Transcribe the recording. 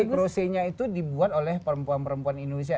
migrosenya itu dibuat oleh perempuan perempuan indonesia